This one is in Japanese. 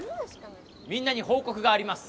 みんなに報告があります